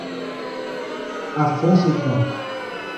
Afonso Cunha